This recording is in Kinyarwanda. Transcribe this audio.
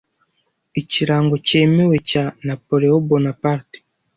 Ikirango cyemewe cya Napoleon Bonaparte